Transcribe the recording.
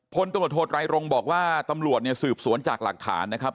พลตำรวจโทษไรรงค์บอกว่าตำรวจเนี่ยสืบสวนจากหลักฐานนะครับ